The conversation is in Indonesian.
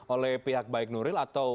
oleh pihak baik nuril atau